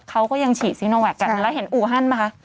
เขาก็ยังฉีดซีโนแวคกันแล้วเห็นอูฮันป่ะคะ